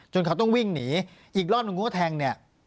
จนก็ต้องวิ่งหนีอีกรอบลงตรงกล้าแทงเนี่ย